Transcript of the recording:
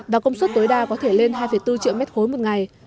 và công suất tối đa có thể lên hai bốn triệu m ba một ngày